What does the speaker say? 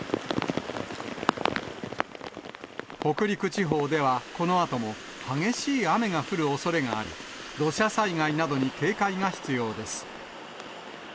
北陸地方では、このあとも激しい雨が降るおそれがあり、土砂災害などに警戒が必要です。